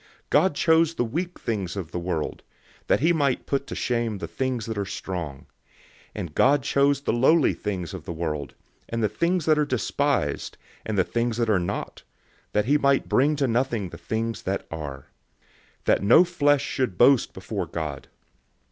God chose the weak things of the world, that he might put to shame the things that are strong; 001:028 and God chose the lowly things of the world, and the things that are despised, and the things that are not, that he might bring to nothing the things that are: 001:029 that no flesh should boast before God.